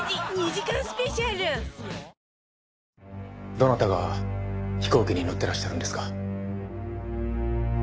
どなたが飛行機に乗ってらっしゃるんですか？